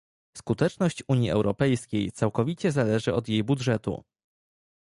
Skuteczność Unii Europejskiej całkowicie zależy od jej budżetu